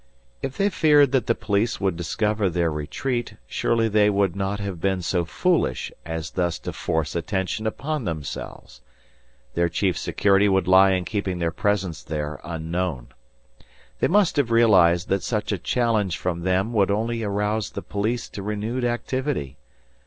If they feared that the police would discover their retreat, surely they would not have been so foolish as thus to force attention upon themselves. Their chief security would lie in keeping their presence there unknown. They must have realized that such a challenge from them would only arouse the police to renewed activity.